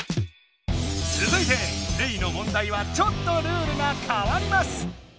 つづいてレイの問題はちょっとルールがかわります。